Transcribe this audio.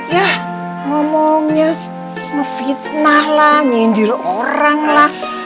ya ngomongnya ngefitnah lah nyindir orang lah